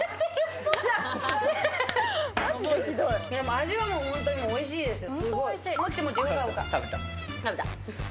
味はもう本当においしいですよ。